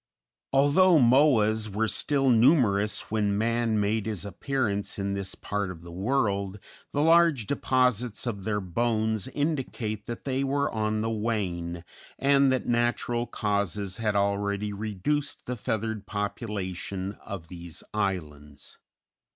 Although Moas were still numerous when man made his appearance in this part of the world, the large deposits of their bones indicate that they were on the wane, and that natural causes had already reduced the feathered population of these islands.